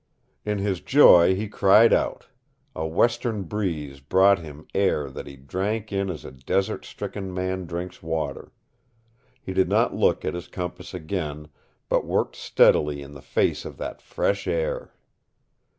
In his joy he cried out. A western breeze brought him air that he drank in as a desert stricken man drinks water. He did not look at his compass again, but worked steadily in the face of that fresh air.